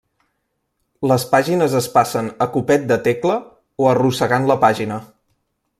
Les pàgines es passen a copet de tecla o arrossegant la pàgina.